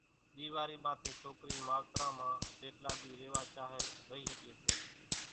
ۮيوارِي ماٿي سوڪرِي ماوتران مان زيٽلا ۮِي ريوا چاھي رئِي ۿڳي سي